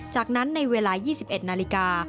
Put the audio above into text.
จากนั้นในเวลา๒๑นาฬิกา